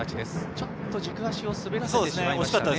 ちょっと軸足を滑らせてしまいましたかね。